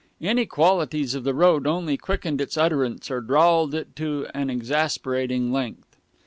Inequalities of the road only quickened its utterance or drawled it to an exasperating length.